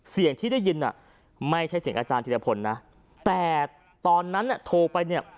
เสียงที่ได้ยินอ่ะไม่ใช่เสียงอาจารย์ธิรพลนะแต่ตอนนั้นโทรไปเนี่ย